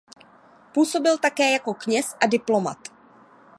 Působil také jako kněz a diplomat.